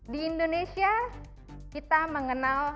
di indonesia kita mengenal